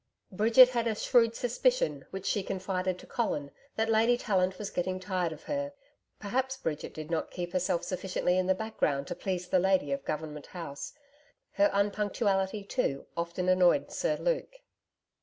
Bridget had a shrewd suspicion, which she confided to Colin, that Lady Tallant was getting tired of her. Perhaps Bridget did not keep herself sufficiently in the background to please the lady of Government House. Her unpunctuality too often annoyed Sir Luke.